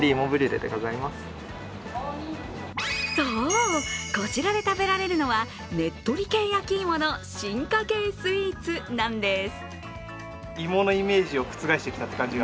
そう、こちらで食べられるのはねっとり系焼き芋の進化形スイーツなんです。